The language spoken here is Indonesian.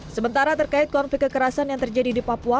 sementara terkait konflik kekerasan yang terjadi di papua